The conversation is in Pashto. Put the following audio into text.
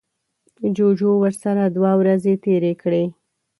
جوجو ورسره دوه ورځې تیرې کړې.